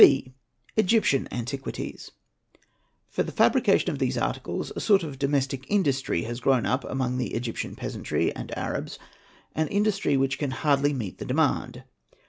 . B. Egyptian Antiquities. ; For the fabrication of these articles a sort of domestic industry has 7 grown up among the Egyptian peasantry and Arabs, an industry which can hardly meet the demand.